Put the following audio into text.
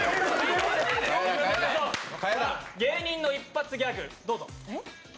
芸人の一発ギャグ、どうぞ。